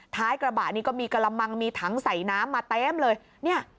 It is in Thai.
ท้ายกระบะนี้ก็มีกระมังมีถังใส่น้ำมาเต็มเลยเนี่ย